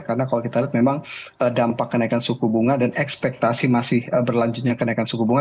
karena kalau kita lihat memang dampak kenaikan suku bunga dan ekspektasi masih berlanjutnya kenaikan suku bunga